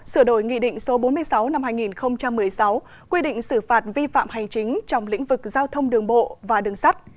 sửa đổi nghị định số bốn mươi sáu năm hai nghìn một mươi sáu quy định xử phạt vi phạm hành chính trong lĩnh vực giao thông đường bộ và đường sắt